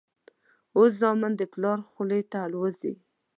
اوس زامن د پلار خولې ته الوزي.